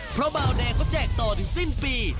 เพราะเบาแดงเขาแจกต่อถึงสิ้นปี